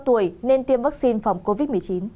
tuổi nên tiêm vaccine phòng covid một mươi chín